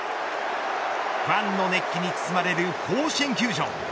ファンの熱気に包まれる甲子園球場。